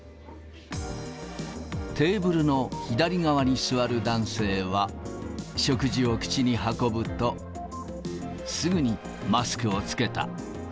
テーブルの左側に座る男性は、食事を口に運ぶと、すぐにマスクを着けた。